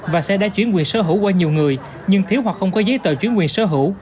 và xe đã chuyển quyền sở hữu qua nhiều người nhưng thiếu hoặc không có giấy tờ chuyển quyền sở hữu